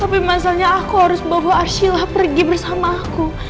tapi masalahnya aku harus bawa arshila pergi bersama aku